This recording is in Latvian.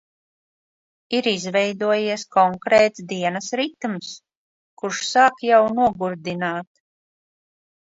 Ir izveidojies konkrēts dienas ritms, kurš sāk jau nogurdināt.